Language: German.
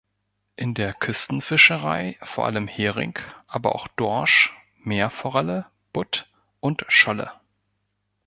In der Küstenfischerei vor allem Hering, aber auch Dorsch, Meerforelle, Butt und Scholle.